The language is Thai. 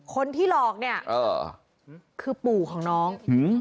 คนที่หลอกเนี่ยคือปู่ของน้อง